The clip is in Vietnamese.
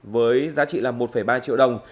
với giá trị là một ba triệu đồng